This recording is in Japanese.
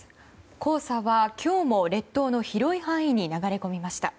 黄砂は今日も列島の広い範囲に流れ込みました。